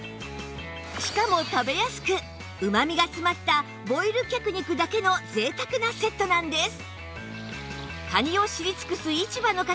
しかも食べやすくうまみが詰まったボイル脚肉だけの贅沢なセットなんです